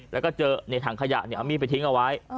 แล้วก็เจอในถังขยะเอามีดไปทิ้งเอาไว้